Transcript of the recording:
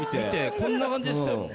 こんな感じでしたよ。